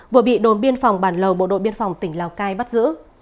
vừa bị đồn biên phòng bản lầu bộ đội biên phòng tỉnh lào cai bắt giữ